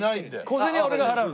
小銭は俺が払う。